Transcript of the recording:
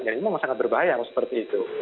jadi memang sangat berbahaya kalau seperti itu